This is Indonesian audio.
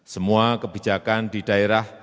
semua kebijakan di daerah